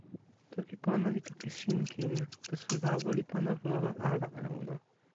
toki pona li toki sin kin, taso lawa li pana wawa ala e ona.